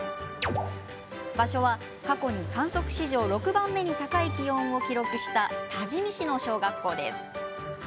場所は、過去に観測史上６番目に高い気温を記録した多治見市の小学校。